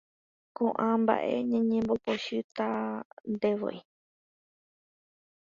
Ko'ã mba'e ñanembopochytantevoi.